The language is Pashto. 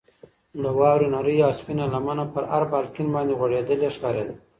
د واورې نرۍ او سپینه لمنه پر هر بالکن باندې غوړېدلې ښکارېده.